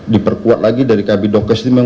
diperkuat lagi dari kabinet dokter